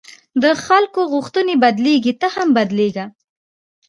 د خلکو غوښتنې بدلېږي، ته هم بدلېږه.